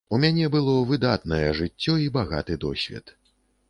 У мяне было выдатнае жыццё і багаты досвед.